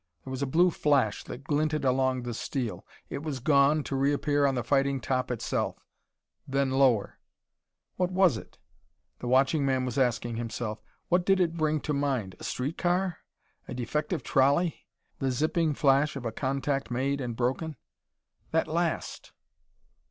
There was a blue flash that glinted along the steel. It was gone to reappear on the fighting top itself then lower. What was it? the watching man was asking himself. What did it bring to mind? A street car? A defective trolley? The zipping flash of a contact made and broken? That last!